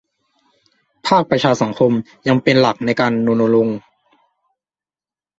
ภาคประชาสังคมยังเป็นหลักในการรณรงค์